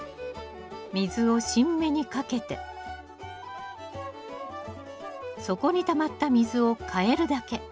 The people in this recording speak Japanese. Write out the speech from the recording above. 水を新芽にかけて底にたまった水を替えるだけ。